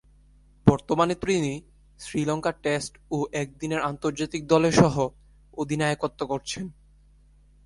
বর্তমানে তিনি শ্রীলঙ্কার টেস্ট ও একদিনের আন্তর্জাতিক দলে সহঃ অধিনায়কত্ব করছেন।